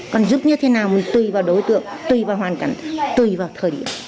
còn giúp như thế nào mình tùy vào đối tượng tùy vào hoàn cảnh tùy vào thời điểm